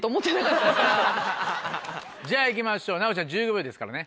じゃあ行きましょう奈央ちゃん１５秒ですからね。